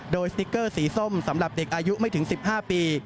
โดยสติ๊กเกอร์สีส้มสำหรับเด็กอายุไม่ถึง๑๕ปี